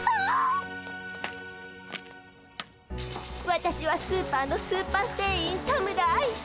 私はスーパーのスーパー店員田村愛。